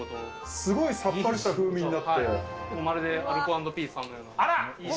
すごい、さっぱりした風味にまるでアルコ＆ピースさんのあら！